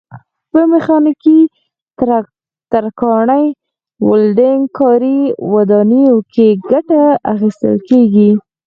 په میخانیکي، ترکاڼۍ، ولډنګ کاري، ودانیو کې ګټه اخیستل کېږي.